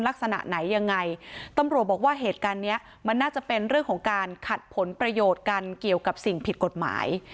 ลักษณะไหนยังไงตำรวจบอกว่าเหตุการณ์เนี้ยมันน่าจะเป็นเรื่องของการขัดผลประโยชน์กันเกี่ยวกับสิ่งผิดกฎหมาย